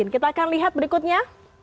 kita akan lihat berikutnya